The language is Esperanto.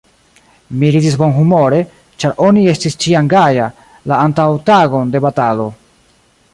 Mi ridis bonhumore, ĉar oni estas ĉiam gaja, la antaŭtagon de batalo.